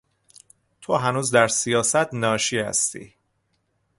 تو هنوز در سیاست ناشی هستی.